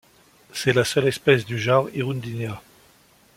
C'est la seule espèce du genre Hirundinea.